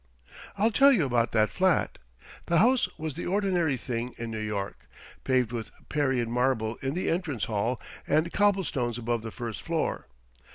I'll tell you about that flat. The house was the ordinary thing in New York, paved with Parian marble in the entrance hall and cobblestones above the first floor.